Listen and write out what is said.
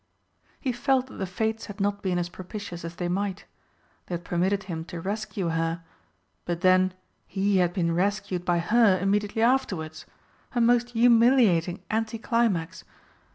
He felt that the Fates had not been as propitious as they might. They had permitted him to rescue her but then he had been rescued by her immediately afterwards a most humiliating anti climax!